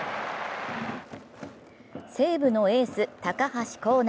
西武のエース・高橋光成。